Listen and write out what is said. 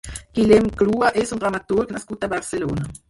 Guillem Clua és un dramaturg nascut a Barcelona.